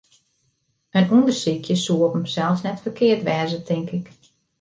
In ûndersykje soe op himsels net ferkeard wêze, tink ik.